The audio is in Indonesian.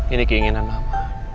ini keinginan mama